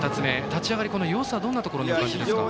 立ち上がり、よさはどんなところに感じますか？